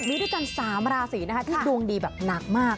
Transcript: มีด้วยกัน๓ราศีนะคะที่ดวงดีแบบหนักมาก